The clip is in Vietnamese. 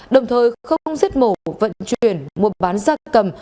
đồng thời không giết mổ vận chuyển mua bán gia cầm